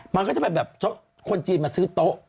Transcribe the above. มันก็จะไปแบบคนจีนมาซื้อโต๊ะ